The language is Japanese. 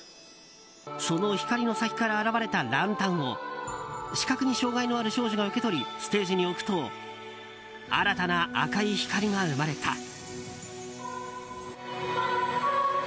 その光の先から現れたランタンを視覚に障害のある少女が受け取りステージに置くと新たな赤い光が生まれた。